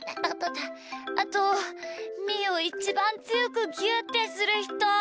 あとみーをイチバンつよくぎゅうってするひと！